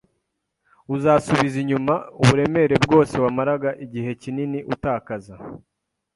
uzasubiza inyuma uburemere bwose wamaraga igihe kinini utakaza.